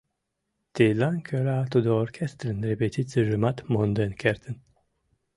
Тидлан кӧра тудо оркестрын репетицийжымат монден кертын.